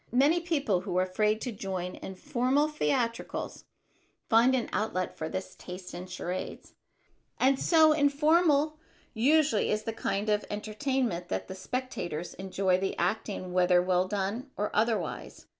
Many people who are afraid to join in formal theatricals find an outlet for this taste in charades; and so informal usually is this kind of entertainment that the spectators enjoy the acting whether well done or otherwise.